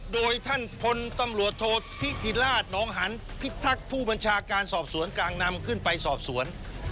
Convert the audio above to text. โดยท่านพลตำรวจโทษธิติราชน้องหันพิทักษ์ผู้บัญชาการสอบสวนกลางนำขึ้นไปสอบสวน